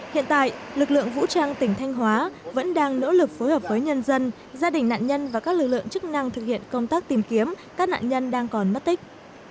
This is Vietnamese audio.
hiện tại lực lượng vũ trang tỉnh thanh hóa vẫn đang nỗ lực phối hợp với nhân dân gia đình nạn nhân và các lực lượng chức năng thực hiện công tác tìm kiếm các nạn nhân đang còn mất tích